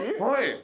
はい。